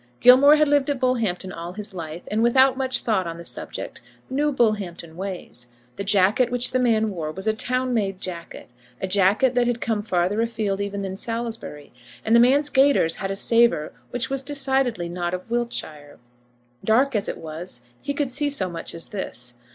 Gilmore had lived at Bullhampton all his life, and, without much thought on the subject, knew Bullhampton ways. The jacket which the man wore was a town made jacket, a jacket that had come farther a field even than Salisbury; and the man's gaiters had a savour which was decidedly not of Wiltshire. Dark as it was, he could see so much as this.